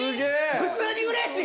普通にうれしい。